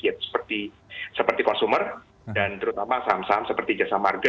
yaitu seperti consumer dan terutama saham saham seperti jasa marga